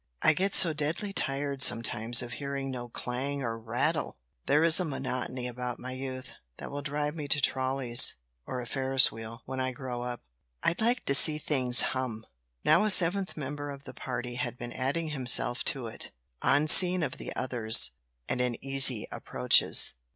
"I get so deadly tired sometimes of hearing no clang or rattle! There is a monotony about my youth that will drive me to trolleys, or a Ferris wheel when I grow up. I'd like to see things hum." Now a seventh member of the party had been adding himself to it, unseen of the others, and in easy approaches.